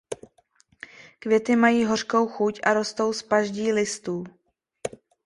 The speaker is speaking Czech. Květy mají hořkou chuť a rostou z paždí listů.